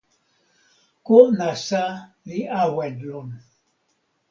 ko nasa li awen lon.